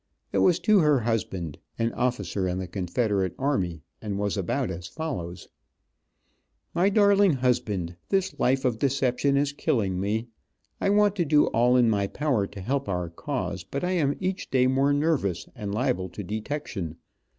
It was to her husband, an officer in the Confederate army, and was about as follows: "My Darling Husband: This life of deception is killing me. I want to do all in my power to help our cause, but I am each day more nervous, and liable to detection.